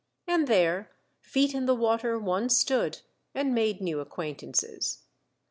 And there, feet in the water, one stood, and made new acquaintances.